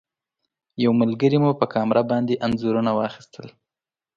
یو ملګري مو په کامره باندې انځورونه اخیستل.